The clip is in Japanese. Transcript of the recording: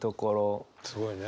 すごいね。